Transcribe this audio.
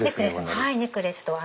はいネックレスと。